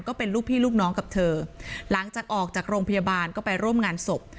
ก็เป็นลูกพี่ลูกน้องกับเธอหลังจากออกจากโรงพยาบาลก็ไปร่วมงานศพ